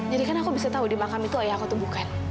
jadi kan aku bisa tau di makam itu ayah aku tuh bukan